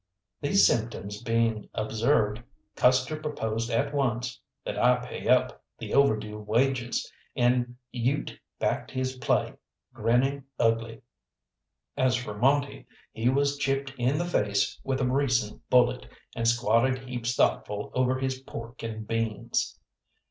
These symptoms being observed, Custer proposed at once that I pay up the overdue wages, and Ute backed his play, grinning ugly. As for Monte, he was chipped in the face with a recent bullet, and squatted heaps thoughtful over his pork and beans.